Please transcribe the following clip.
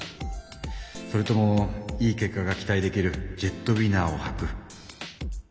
それともいい結果が期待できるジェットウィナーをはく。